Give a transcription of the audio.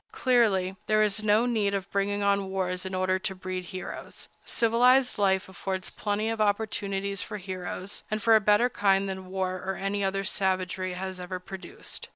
Clearly, there is no need of bringing on wars in order to breed heroes. Civilized life affords plenty of opportunities for heroes, and for a better kind than war or any other savagery has ever produced.